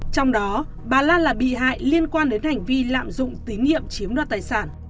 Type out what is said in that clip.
trong đó bà lan là bị hại liên quan đến hành vi lạm dụng tín nhiệm chiếm đoạt tài sản